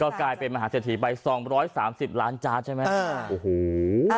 ก็กลายเป็นมหาสถิติใบ๒๓๐ล้านจานใช่ไหม